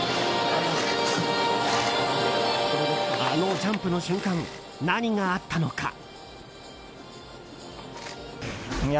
あのジャンプの瞬間何があったのか。